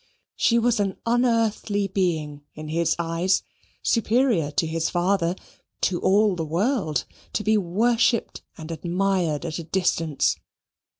She was an unearthly being in his eyes, superior to his father to all the world: to be worshipped and admired at a distance.